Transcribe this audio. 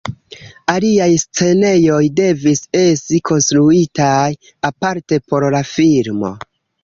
Aliaj scenejoj devis esti konstruitaj aparte por la filmo.